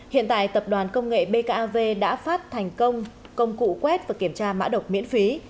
hiện tại tập đoàn công nghệ bkav đã phát thành công công cụ quét và kiểm tra mã độc miễn phí